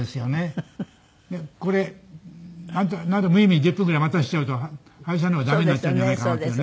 ここで無意味に１０分ぐらい待たせちゃうと俳優さんの方がダメになっちゃうんじゃないかなっていう